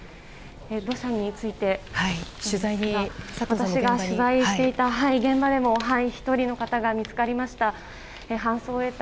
私が取材していた現場でも１人の方が見つかりました。